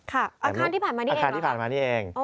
ค่ะอังคารที่ผ่านมานี่เอง